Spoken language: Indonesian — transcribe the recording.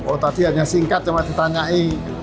oh tadi hanya singkat cuma ditanyain